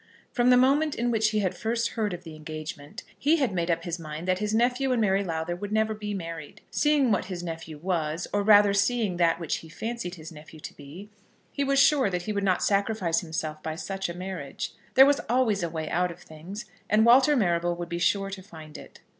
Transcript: From the moment in which he had first heard of the engagement, he had made up his mind that his nephew and Mary Lowther would never be married. Seeing what his nephew was or rather seeing that which he fancied his nephew to be, he was sure that he would not sacrifice himself by such a marriage. There was always a way out of things, and Walter Marrable would be sure to find it.